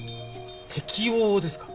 適応ですか？